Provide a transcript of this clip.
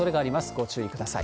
ご注意ください。